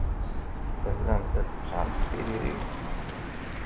Tellamt tesɛamt tiririt?